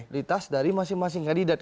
di tas dari masing masing kandidat